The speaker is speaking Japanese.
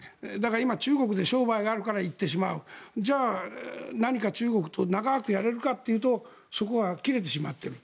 今、中国で商売があるから行ってしまうじゃあ、何か中国と長くやれるかというとそこは切れてしまっている。